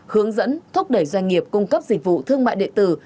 hướng dẫn thúc đẩy doanh nghiệp cung cấp dịch vụ thương mại điện tử